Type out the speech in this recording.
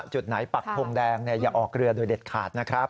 จุดไหนปักทงแดงอย่าออกเรือโดยเด็ดขาดนะครับ